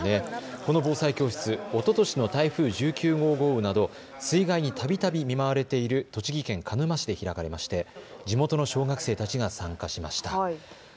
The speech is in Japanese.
この防災教室、おととしの台風１９号豪雨など水害にたびたび見舞われている栃木県鹿沼市で開かれまして地元の小学生たちが参加しました。